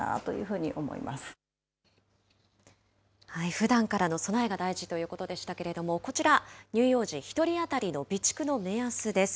ふだんからの備えが大事ということでしたけれども、こちら、乳幼児１人当たりの備蓄の目安です。